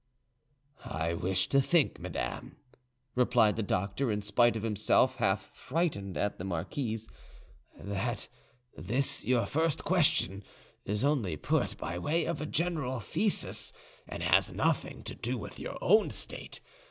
"I wish to think, madame," replied the doctor, in spite of himself half frightened at the marquise, "that this your first question is only put by way of a general thesis, and has nothing to do with your own state.